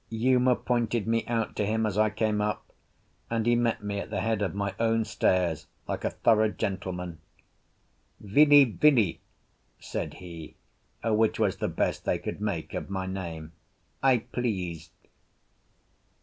Uma pointed me out to him as I came up, and he met me at the head of my own stairs like a thorough gentleman. "Vilivili," said he, which was the best they could make of my name, "I pleased."